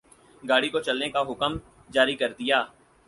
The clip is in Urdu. گاڑی کو چلنے کا حکم جاری کر دیا